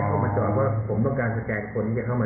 สามารถตามตัวได้อย่างนี้ครับ